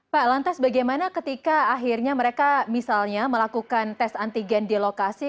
pak lantas bagaimana ketika akhirnya mereka misalnya melakukan tes antigen di lokasi